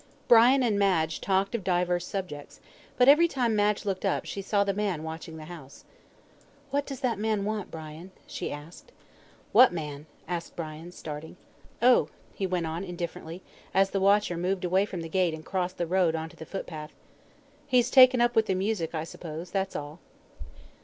Brian and Madge talked of divers subjects, but every time Madge looked up she saw the man watching the house. "What does that man want, Brian?" she asked. "What man?" asked Brian, starting. "Oh," he went on indifferently, as the watcher moved away from the gate and crossed the road on to the footpath, "he's taken up with the music, I suppose; that's all."